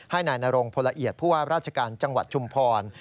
ให้นายนรงพลเอียดผู้ว่าราชการจังหวัดชุมพร